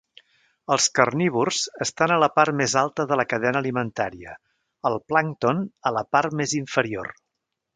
Els carnívors estan a la part més alta de la cadena alimentària; el plàncton a la part més inferior